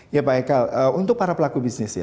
ya pak eka untuk para pelaku bisnis ya